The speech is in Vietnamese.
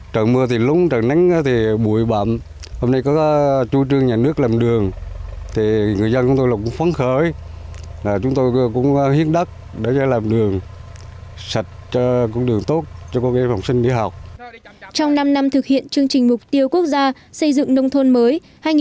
trong năm năm thực hiện chương trình mục tiêu quốc gia xây dựng nông thôn mới hai nghìn một mươi một hai nghìn một mươi năm